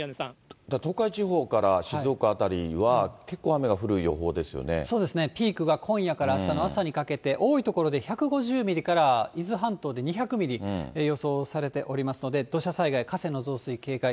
東海地方から静岡辺りは、そうですね、ピークが今夜からあしたの朝にかけて、多い所で１５０ミリから伊豆半島で２００ミリ予想されておりますので、土砂災害、河川の増水、警戒。